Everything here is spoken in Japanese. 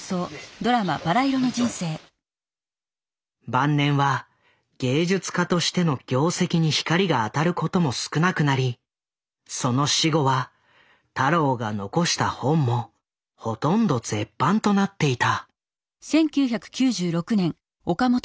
晩年は芸術家としての業績に光が当たることも少なくなりその死後は太郎が残した本もほとんど絶版となっていた。